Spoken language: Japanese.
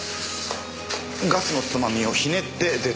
ガスのつまみをひねって出た。